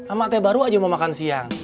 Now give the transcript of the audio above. amat teh baru aja mau makan siang